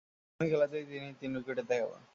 উদ্বোধনী খেলাতেই তিনি তিন উইকেটের দেখা পান।